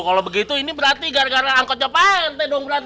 kalau begitu ini berarti gara gara angkot joppa rt dong berarti